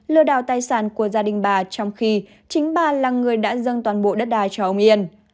lừa đảo tài sản của gia đình bà trong khi chính bà là người đã dâng toàn bộ đất đài cho ông yên